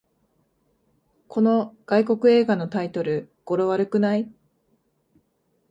この外国映画のタイトル、語呂悪くない？